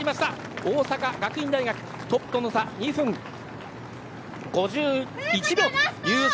大阪学院大学トップとの差２分５１秒という差。